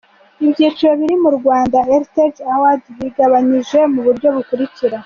Ibyiciro biri muri Rwandan Heritage Awards bigabanyije mu buryo bukurikira:.